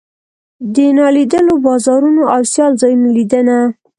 د نالیدلو بازارونو او سیال ځایونو لیدنه.